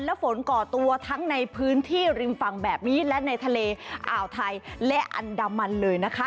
และฝนก่อตัวทั้งในพื้นที่ริมฝั่งแบบนี้และในทะเลอ่าวไทยและอันดามันเลยนะคะ